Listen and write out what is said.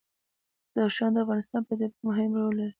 بدخشان د افغانستان په طبیعت کې مهم رول لري.